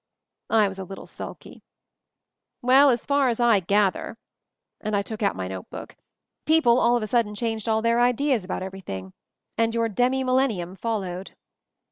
I was a little sulky. "Well, as far as I gather," and I took out my note book, "peo ple all of a sudden changed all their ideas about everything — and your demi millen nium followed."